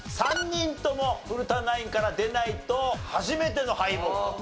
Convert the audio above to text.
３人とも古田ナインから出ないと初めての敗北と。